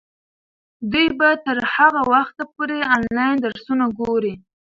دوی به تر هغه وخته پورې انلاین درسونه ګوري.